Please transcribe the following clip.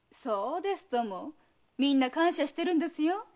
みんな感謝してるんですよ。